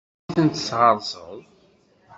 Anda ay ten-tesɣerseḍ?